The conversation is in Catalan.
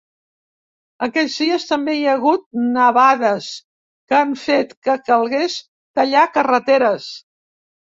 Aquests dies també hi ha hagut nevades, que han fet que calgués tallar carreteres.